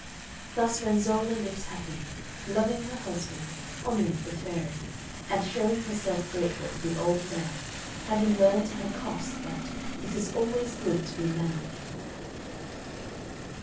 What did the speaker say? Thus Renzolla lived happy, loving her husband, honouring the fairy, and showing herself grateful to the old man, having learned to her cost that "It is always good to be mannerly."